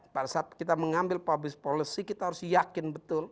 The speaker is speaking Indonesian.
pada saat kita mengambil public policy kita harus yakin betul